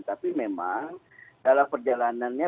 tapi memang dalam perjalanannya